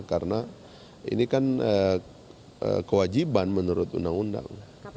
karena ini kan kewajiban menurut undang undang